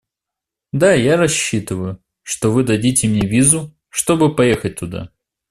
Да я и рассчитываю, что вы дадите мне визу, чтобы поехать туда.